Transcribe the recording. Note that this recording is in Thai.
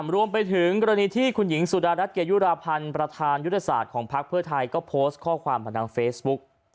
รวมไปถึงกรณีที่คุณหญิงสุดารัฐเกยุราพันธ์ประธานยุทธศาสตร์ของพักเพื่อไทยก็โพสต์ข้อความผ่านทางเฟซบุ๊ก